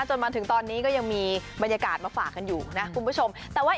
จนมาถึงตอนนี้ก็ยังมีบรรยากาศมาฝากกันอยู่นะคุณผู้ชมแต่ว่า